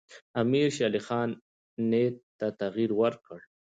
امیرشیرعلي خان نیت ته تغییر ورکړ.